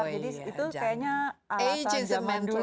jadi itu kayaknya alasan zaman dulu ya